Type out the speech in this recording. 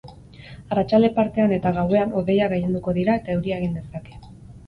Arratsalde partean eta gauean hodeiak gailenduko dira eta euria egin dezake.